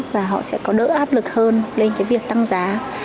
và họ sẽ có đỡ áp lực hơn lên cái việc tăng giá